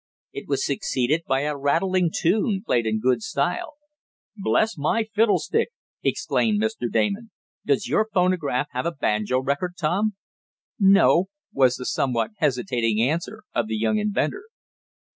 It was succeeded by a rattling tune played in good style. "Bless my fiddlestick!" exclaimed Mr. Damon, "Does your phonograph have a banjo record, Tom?" "No." was the somewhat hesitating answer of the young inventor.